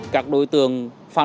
các đối tượng phản động